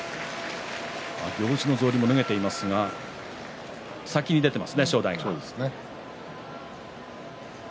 行司の草履も脱げてますが先に出ていますね、正代が。